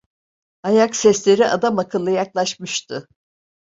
Ayak sesleri adamakıllı yaklaşmıştı.